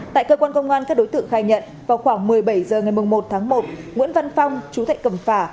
tại cơ quan công an các đối tượng khai nhận vào khoảng một mươi bảy h ngày một tháng một nguyễn văn phong chú thệ cầm phả